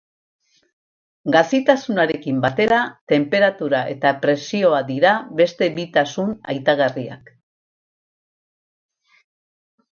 Gazitasunarekin batera, tenperatura eta presioa dira beste bi tasun aipagarriak.